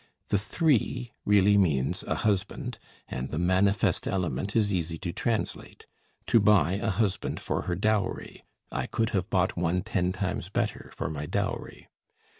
The "3" really means a husband, and the manifest element is easy to translate: to buy a husband for her dowry ("I could have bought one ten times better for my dowry").